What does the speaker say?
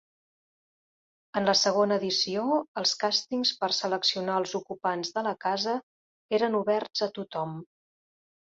En la segona edició, els càstings per seleccionar els ocupants de la casa eren oberts a tothom.